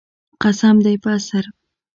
قسم دی په عصر.